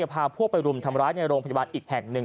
พาพวกไปรุมทำร้ายในโรงพยาบาลอีกแห่งหนึ่ง